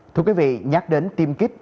thưa quý vị nhắc đến tiêm kích